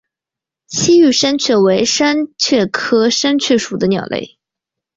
西域山雀为山雀科山雀属的鸟类。